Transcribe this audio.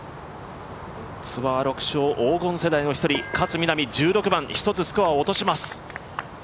ツアー６勝、黄金世代の一人、勝みなみ１６番、１つスコアを落とします。